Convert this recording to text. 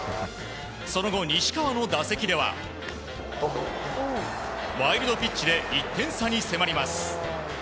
その後、西川の打席ではワイルドピッチで１点差に迫ります。